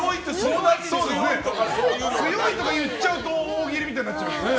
強いと言っちゃうと大喜利みたいになっちゃいますね。